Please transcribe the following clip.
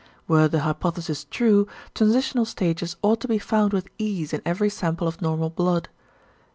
Were the hypothesis true, transitional stages ought to be found with ease in every sample of normal blood.